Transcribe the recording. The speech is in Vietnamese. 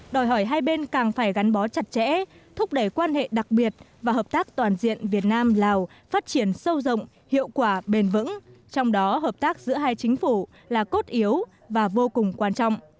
đòi hỏi hai bên càng phải gắn bó chặt chẽ thúc đẩy quan hệ đặc biệt và hợp tác toàn diện việt nam lào phát triển sâu rộng hiệu quả bền vững trong đó hợp tác giữa hai chính phủ là cốt yếu và vô cùng quan trọng